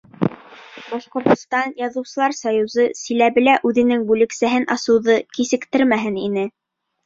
Башҡортостан Яҙыусылар союзы Силәбелә үҙенең бүлексәһен асыуҙы кисектермәһен ине.